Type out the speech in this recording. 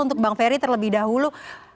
untuk bang ferry terlebih dahulu